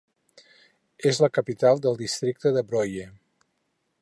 És la capital del districte de Broye.